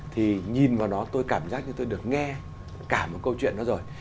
thì nhìn vào nó tôi cảm giác như tôi được nghe cả một câu chuyện đó rồi